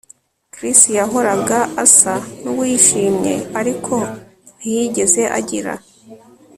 Chris yahoraga asa nuwishimye ariko ntiyigeze agira